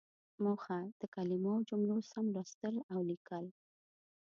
موخه: د کلمو او جملو سم لوستل او ليکل.